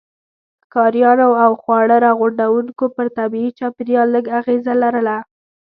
ښکاریانو او خواړه راغونډوونکو پر طبيعي چاپیریال لږ اغېزه لرله.